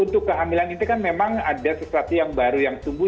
untuk kehamilan itu kan memang ada sesuatu yang baru yang tumbuh